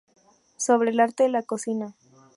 Sobre el arte de la cocina".